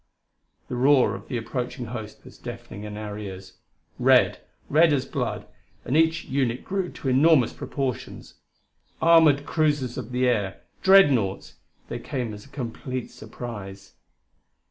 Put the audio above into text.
The roar of the approaching host was deafening in our ears. Red red as blood! and each unit grew to enormous proportions. Armored cruisers of the air dreadnaughts! they came as a complete surprise.